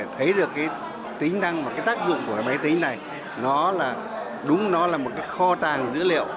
thấy được cái tính năng và cái tác dụng của cái máy tính này nó là đúng nó là một cái kho tàng dữ liệu